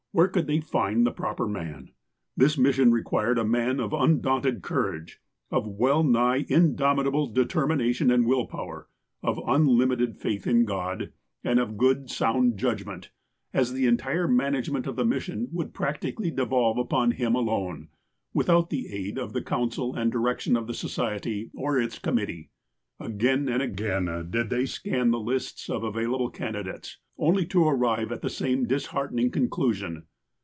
^Yhere could they ilnd the proper man? This mission required a man of undaunted courage, of well nigh indomitable detcrmiuatiou and will power, of unlimited faith in God, A NEW MISSION FIELD 35 and of good, sound judgment, as the entire management of the mission would practically devolve upon him alone, without the aid of the counsel and direction of the Society or its committee. Again and again did they scan the lists of available candidates, only to arrive at the same disheartening con clusion.